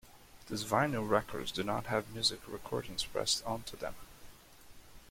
These vinyl records do not have music recordings pressed on to them.